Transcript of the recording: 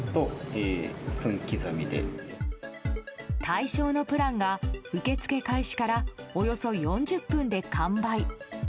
対象のプランが受け付け開始からおよそ４０分で完売。